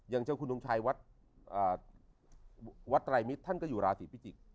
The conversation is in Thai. อย่างเจ้าคุณทงชัยวัดไตรมิตรท่านก็อยู่ราศีพิจิกษ์